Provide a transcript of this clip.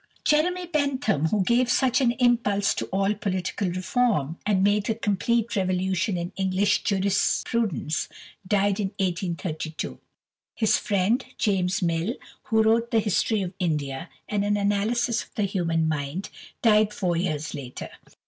Jeremy Bentham, who gave such an impulse to all political reform, and made a complete revolution in English jurisprudence, died in 1832. His friend James Mill, who wrote the "History of India" and an "Analysis of the Human Mind," died four years later.